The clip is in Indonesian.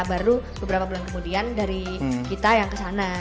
baru beberapa bulan kemudian dari kita yang kesana